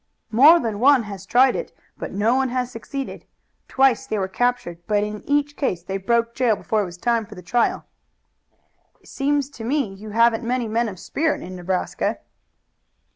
"More than one has tried it, but no one has succeeded. Twice they were captured, but in each case they broke jail before it was time for the trial." "It seems to me you haven't many men of spirit in Nebraska."